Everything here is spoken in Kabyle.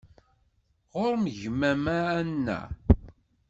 Ɣur-m gma-m a Ana?